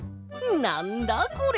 なんだこれ？